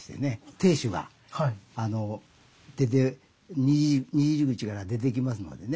亭主がにじり口から出てきますのでね